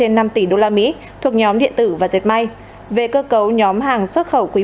trên năm tỷ usd thuộc nhóm điện tử và dệt may về cơ cấu nhóm hàng xuất khẩu quý